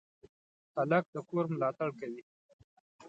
هلک د کور ملاتړ کوي.